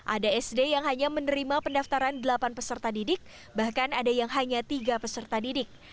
ada sd yang hanya menerima pendaftaran delapan peserta didik bahkan ada yang hanya tiga peserta didik